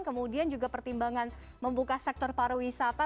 kemudian juga pertimbangan membuka sektor pariwisata